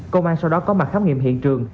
công an sau đó có mặt khám nghiệm hiện trường